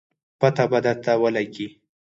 پته به درته ولګي